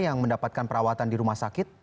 yang mendapatkan perawatan di rumah sakit